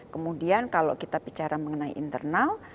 kemudian kalau kita bicara mengenai internal